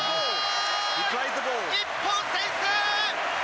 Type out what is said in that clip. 日本先制。